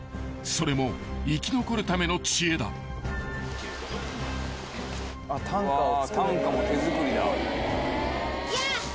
［それも生き残るための知恵だ］わ担架も手作りだ。